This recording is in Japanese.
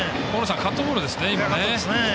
カットボールでしたね。